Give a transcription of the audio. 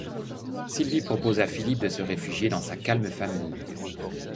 Sylvie propose à Philippe de se réfugier dans sa calme famille.